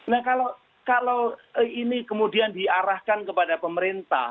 nah kalau ini kemudian diarahkan kepada pemerintah